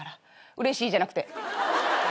うれしいじゃなくて。